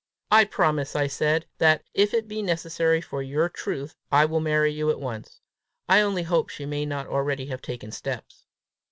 "I promise," I said, "that, if it be necessary for your truth, I will marry you at once. I only hope she may not already have taken steps!"